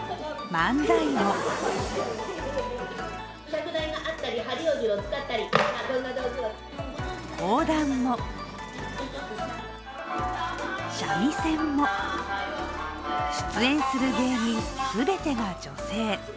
漫才も講談も三味線も出演する芸人全てが女性。